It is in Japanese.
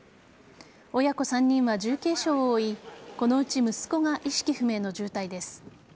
親子３人は重軽傷を負いこのうち息子が意識不明の重体です。